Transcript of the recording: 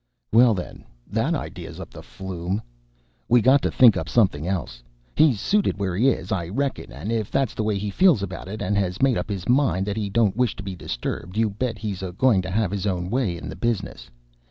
"Well, then, that idea's up the flume. We got to think up something else. He's suited wher' he is, I reckon; and if that's the way he feels about it, and has made up his mind that he don't wish to be disturbed, you bet he's a going to have his own way in the business.